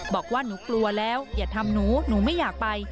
บอกว่าหนูกลัวแล้วอย่าทำหนูหนูไม่อยากไป